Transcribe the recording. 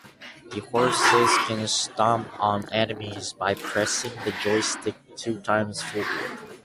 The horses can stomp on enemies by pressing the joystick two times forward.